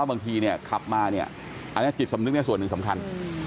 อันนี้จิตสำนึกหน้าส่วนหนึ่งสำคัญ